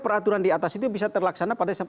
peraturan diatas itu bisa terlaksana pada